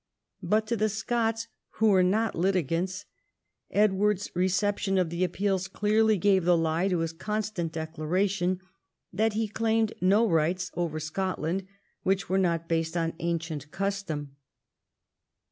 But to the Scots, who Avere not litigants, Edward's reception of the appeals clearly gave the lie to his constant declai'ation that he claimed no rights over Scotland which were not based on ancient custom.